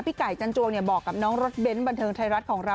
ไก่จันจวงบอกกับน้องรถเบ้นบันเทิงไทยรัฐของเรา